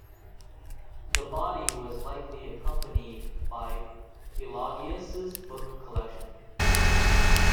The body was likely accompanied by Eulogius's book collection.